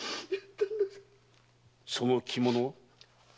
その着物は？